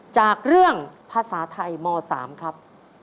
จากเรื่องภาษาไทยม๓ครับ